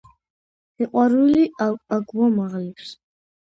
სიყვარული აგვამაღლებს